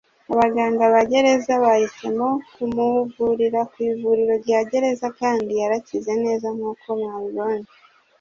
Abaganga ba gereza bahisemo kumuvurira mu ivuriro rya gereza kandi yarakize neza nk’uko mwabibonye